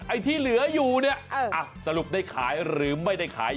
ไอ้ที่เหลืออยู่สรุปได้ขายหรือไม่ได้ขาย